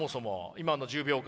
今の１０秒間。